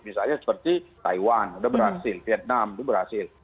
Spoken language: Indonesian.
misalnya seperti taiwan udah berhasil vietnam itu berhasil